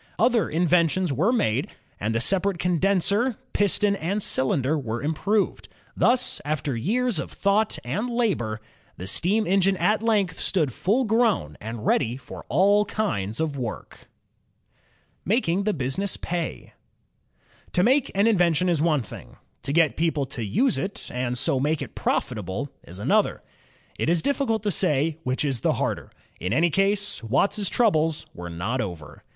Other inventions were made, and the separate con denser, piston, and cylinder were improved. Thus, after years of thought and labor, the steam engine at length stood full grown and ready for all kinds of work. Making the Business Pay To make an invention is one thing. To get people to use it and so make it profitable is another. It is difficult to say which is the harder. In any case. Watt's troubles were not over.